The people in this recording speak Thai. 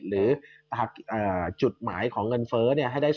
หรือจุดหมายของเงินเฟ้อ